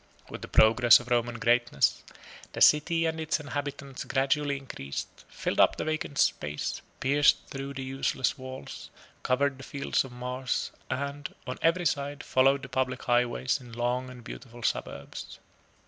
With the progress of Roman greatness, the city and its inhabitants gradually increased, filled up the vacant space, pierced through the useless walls, covered the field of Mars, and, on every side, followed the public highways in long and beautiful suburbs.